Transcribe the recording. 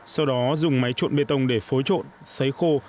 sau đó dùng máy trộn bê tông để phối trộn xây khô